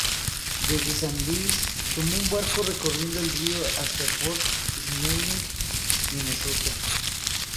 Desde San Luis, tomó un barco recorriendo el río hasta Fort Snelling, Minnesota.